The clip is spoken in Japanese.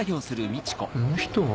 この人は？